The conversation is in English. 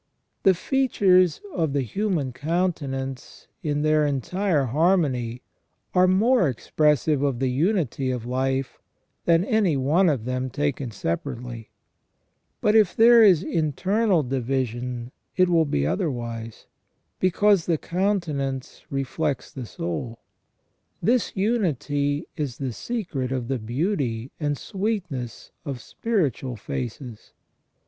The features of the human countenance in their entire harmony are more expressive of the unity of life than any one of them taken separately ; but if there is internal division it will be otherwise, because the countenance reflects the soul. This unity is the secret of the beauty and sweetness of spiritual faces.